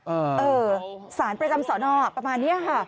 เออสารประจำสอนอประมาณนี้ค่ะ